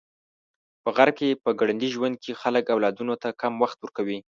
په غرب کې په ګړندي ژوند کې خلک اولادونو ته کم وخت ورکوي.